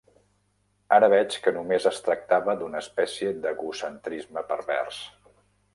Ara veig que només es tractava d'una espècie d'egocentrisme pervers.